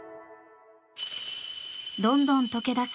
どんどん解け出す